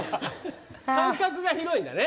間隔が広いんだね。